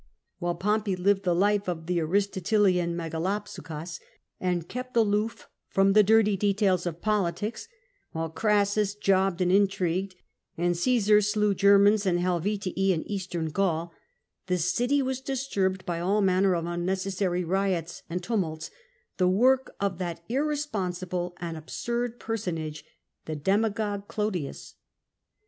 While Pompey lived the life of the Aristotelian /ubeyaXoyjrvxp^; and kept aloof from the dirty details of politics, while Crassus jobbed and intrigued, and Ctcsar slew Cermans and Helvetii in Eastern Gaul, the city was disturbed by all manner of unnecessary riots and tumults, the work of that irrespon sible and absurd personage, the demagogue Clodius.